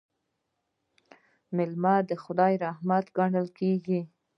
میلمه د خدای رحمت ګڼل کیږي.